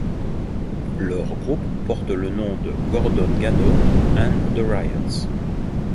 Leur groupe porte le nom de Gordon Gano & The Ryans.